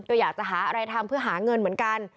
ก็อยากจะหาอะไรทำเพื่อหาเงินเหมือนกัน